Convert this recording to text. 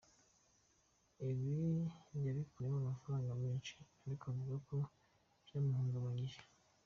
Ibi yabikuyemo amafaranga menshi ariko avuga ko byamuhungabanyije.